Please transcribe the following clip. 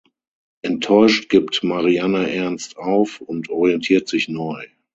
Enttäuscht gibt Marianne Ernst auf und orientiert sich neu.